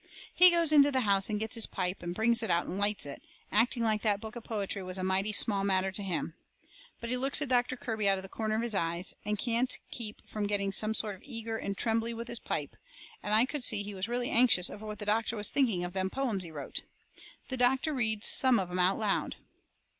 He goes into the house and gets his pipe, and brings it out and lights it, acting like that book of poetry was a mighty small matter to him. But he looks at Doctor Kirby out of the corner of his eyes, and can't keep from getting sort of eager and trembly with his pipe; and I could see he was really anxious over what the doctor was thinking of them poems he wrote. The doctor reads some of 'em out loud.